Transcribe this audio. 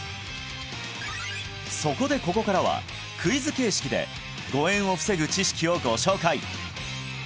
そこでここからはクイズ形式で誤嚥を防ぐ知識をご紹介！